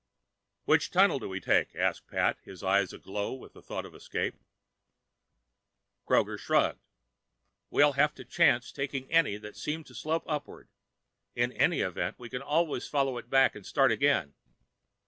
"Which tunnel do we take?" asked Pat, his eyes aglow at the thought of escape. Kroger shrugged. "We'll have to chance taking any that seem to slope upward. In any event, we can always follow it back and start again."